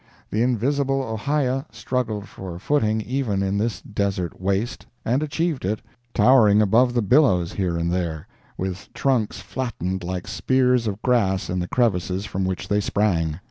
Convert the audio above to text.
The invincible ohia struggled for a footing even in this desert waste, and achieved it—towering above the billows here and there, with trunks flattened like spears of grass in the crevices from which they sprang.